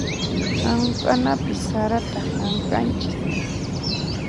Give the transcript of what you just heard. Hamk'anapi sarata hamk'anchis.